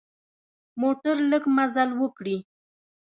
موټر لږ مزل وکړي.